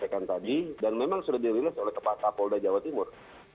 jaringan seperti yang anda sampaikan tadi dan memang sudah dirilis oleh kepala kapolda jawa timur